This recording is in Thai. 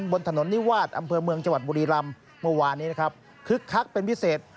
บนถนนนิวาสอำเภอเมืองจังหวัดบุรีรำเมื่อวานนี้นะครับคึกคักเป็นพิเศษ